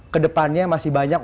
ke depannya masih banyak